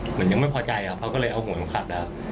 เหมือนยังไม่พอใจเขาก็เลยเอาหัวเข็มขัด